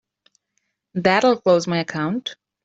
That'll close my account.